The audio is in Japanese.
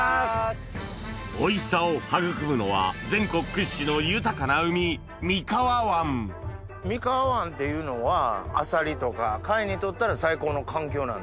おいしさを育むのは全国屈指の豊かな海三河湾っていうのはあさりとか貝にとったら最高の環境なんですか？